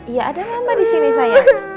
iya ada mama di sini sayang